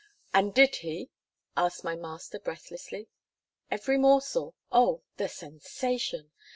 "And did he?" asked my master breathlessly. "Every morsel. Oh! the sensation.